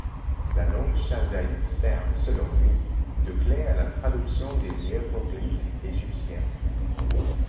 La langue chaldaïque sert, selon lui, de clé à la traduction des hiéroglyphes égyptiens.